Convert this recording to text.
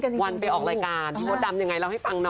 มีวันไปออกรายการดิวดำยังไงเราให้ฟังหน่อย